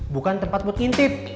bukan tempat buat ngintip